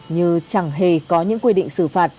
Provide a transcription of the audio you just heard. như chẳng hề có những quy định xử phạt